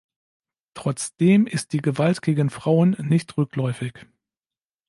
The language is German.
Trotzdem ist die Gewalt gegen Frauen nicht rückläufig.